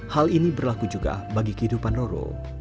hal ini berlaku juga bagi kehidupan roro